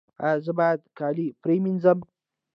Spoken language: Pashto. ایا زه باید کالي پریمنځم؟